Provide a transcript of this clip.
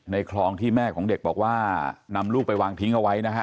คลองที่แม่ของเด็กบอกว่านำลูกไปวางทิ้งเอาไว้นะฮะ